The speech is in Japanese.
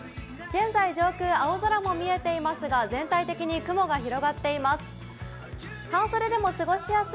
現在上空、青空も見えていますが、全体的に雲が広がっています。